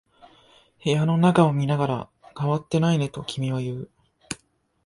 部屋の中を見ながら、変わっていないねと君は言う。